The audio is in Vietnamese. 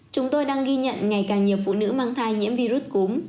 chúng tôi đang ghi nhận ngày càng nhiều phụ nữ mang thai nhiễm virus cúm